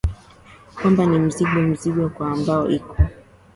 kwamba ni mzigo mkubwa kwa serikali ambayo iko